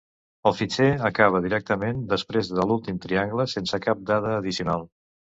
El fitxer acaba directament després de l'últim triangle, sense cap dada addicional.